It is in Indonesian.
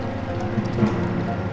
aku gai bikin itu bikin tui